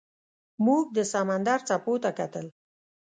موږ د سمندر څپو ته کتل.